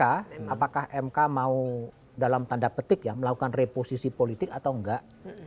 apakah mk mau dalam tanda petik ya melakukan reposisi politik atau enggak